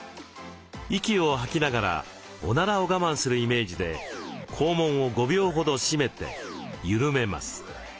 息を吐きながらおならを我慢するイメージで肛門を５秒ほど締めて緩めます。